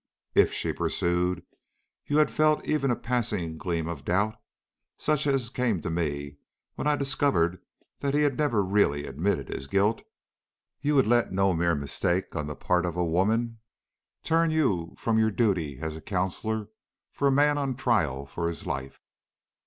"If," she pursued, "you had felt even a passing gleam of doubt, such as came to me when I discovered that he had never really admitted his guilt, you would let no mere mistake on the part of a woman turn you from your duty as counsellor for a man on trial for his life."